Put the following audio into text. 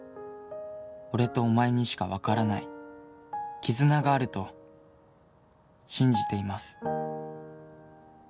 「俺とお前にしか分からない」「絆があると信じています」